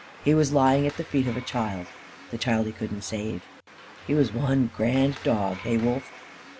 He was lying at the feet of a child. The child he couldn't save. He was one grand dog hey, Wolf?"